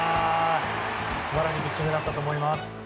素晴らしいピッチングだったと思います。